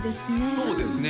そうですね